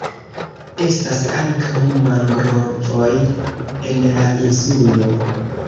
Estas ankaŭ mangrovoj en la insulo.